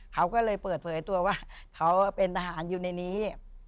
เขาก็เลยเปิดเผยตัวว่าเขาเป็นทหารอยู่ในนี้